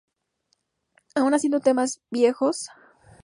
Aún haciendo temas viejos, Babasónicos demostró que siempre pueden renovarse.